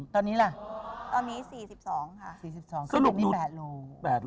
ตอนนี้ละ๔๒ค่ะ